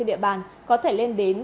trên địa bàn có thể lên đến